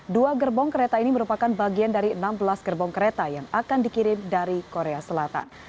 dua gerbong kereta ini merupakan bagian dari enam belas gerbong kereta yang akan dikirim dari korea selatan